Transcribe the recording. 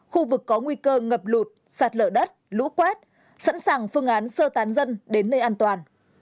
khu vực có nguy cơ ngập lụt sạt lở đất lũ quét sẵn sàng phương án sơ tán dân đến nơi an toàn